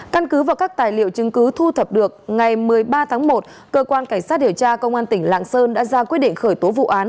căn cứ và các tài liệu chứng cứ thu thập được ngày một mươi ba tháng một cơ quan cảnh sát điều tra công an tỉnh lạng sơn đã ra quyết định khởi tố vụ án